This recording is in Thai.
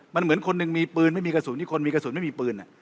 มันเหมือนคนหนึ่งมีปืนไม่มีกระสุนอีกคนมีกระสุนไม่มีปืน